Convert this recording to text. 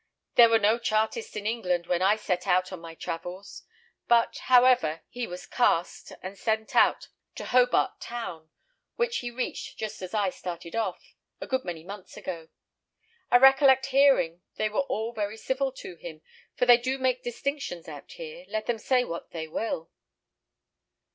There were no Chartists in England when I set out on my travels. But, however, he was cast, and sent out to Hobart Town, which he reached just as I started off, a good many months ago. I recollect hearing they were all very civil to him, for they do make distinctions out here, let them say what they will."